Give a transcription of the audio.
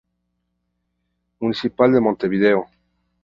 Municipal de Montevideo.